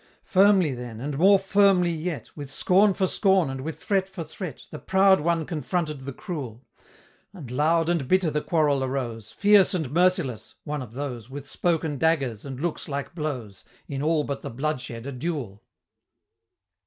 Firmly then and more firmly yet With scorn for scorn, and with threat for threat, The Proud One confronted the Cruel: And loud and bitter the quarrel arose, Fierce and merciless one of those, With spoken daggers, and looks like blows, In all but the bloodshed a duel!